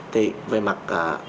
thì về mặt